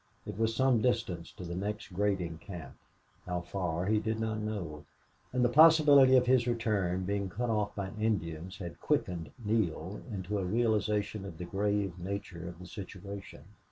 It was some distance to the next grading camp how far he did not know. And the possibility of his return being cut off by Indians had quickened Neale into a realization of the grave nature of the situation.